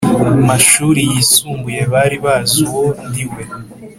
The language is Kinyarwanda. Mashuri yisumbuye bari bazi uwo ndi we